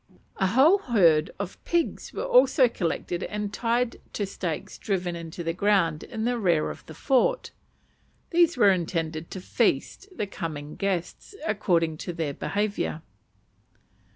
A whole herd of pigs were also collected and tied to stakes driven into the ground in the rear of the fort. These were intended to feast the coming guests, according to their behaviour.